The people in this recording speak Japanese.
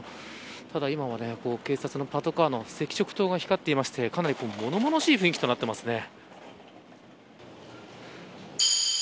ただ今は警察のパトカーの赤色灯が光っていましてかなり物々しい雰囲気となっていますね。